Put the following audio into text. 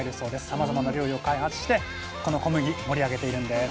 さまざまな料理を開発してこの小麦盛り上げているんです。